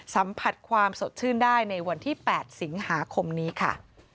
สัมผัสความสดชื่นได้ในวันที่๘สิงหาคมนี้ค่ะ